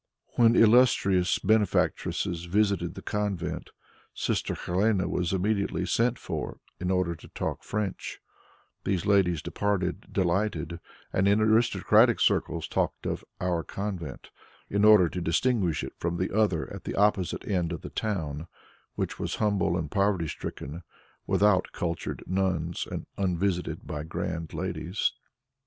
When illustrious benefactresses visited the convent, Sister Helene was immediately sent for in order to talk French; these ladies departed delighted, and in aristocratic circles talked of "our convent," in order to distinguish it from the other at the opposite end of the town, which was humble and poverty stricken, without cultured nuns and unvisited by grand ladies.